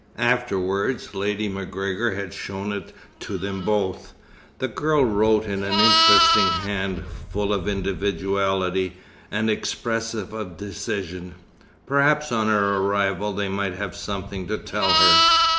Afterwards Lady MacGregor had shown it to them both. The girl wrote an interesting hand, full of individuality, and expressive of decision. Perhaps on her arrival they might have something to tell her.